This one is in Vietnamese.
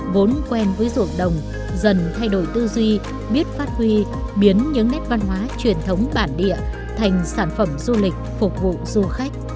vốn quen với ruộng đồng dần thay đổi tư duy biết phát huy biến những nét văn hóa truyền thống bản địa thành sản phẩm du lịch phục vụ du khách